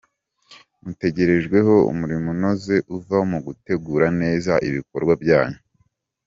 Mutegerejweho umurimo unoze uva mu gutegura neza ibikorwa byanyu.